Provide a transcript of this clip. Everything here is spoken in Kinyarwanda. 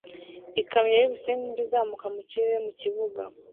Ikamyo y'ibisimba izamuka mu kirere mu kibuga